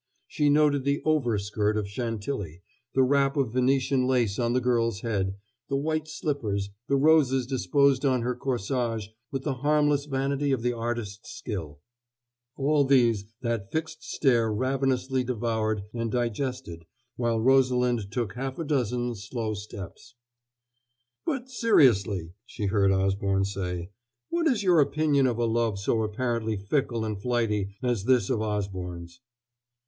She noted the over skirt of Chantilly, the wrap of Venetian lace on the girl's head, the white slippers, the roses disposed on her corsage with the harmless vanity of the artist's skill, all these that fixed stare ravenously devoured and digested while Rosalind took half a dozen slow steps. "But seriously," she heard Osborne say, "what is your opinion of a love so apparently fickle and flighty as this of Osborne's?"